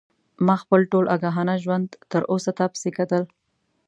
ما خپل ټول آګاهانه ژوند تر اوسه تا پسې کتل.